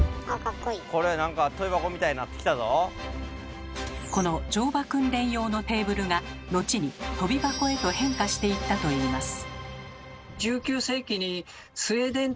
これなんかこの乗馬訓練用のテーブルが後にとび箱へと変化していったといいます。